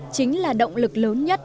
chính là động lực lớn nhất